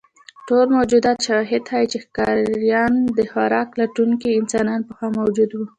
ټول موجود شواهد ښیي، چې ښکاریان او خوراک لټونکي انسانان پخوا موجود وو.